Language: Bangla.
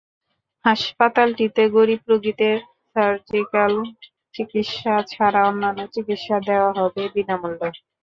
হাসপাতালটিতে গরিব রোগীদের সার্জিক্যাল চিকিত্সা ছাড়া অন্যান্য চিকিত্সা দেওয়া হবে বিনা মূল্যে।